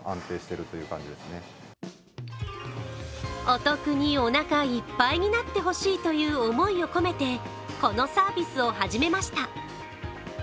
お得におなかいっぱいになってほしいという思いを込めてこのサービスを始めました。